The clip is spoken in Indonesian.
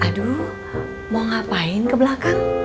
aduh mau ngapain ke belakang